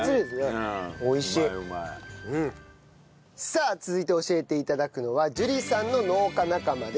さあ続いて教えて頂くのは樹里さんの農家仲間です。